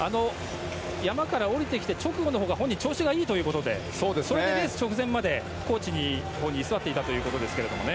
山から下りてきた直後のほうが本人、調子がいいということでそれでレース直前まで高地に居座っていたということでしたけどね。